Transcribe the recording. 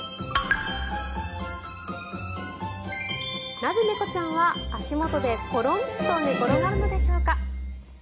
なぜ猫ちゃんは足元でコロンと寝転がるのでしょうか。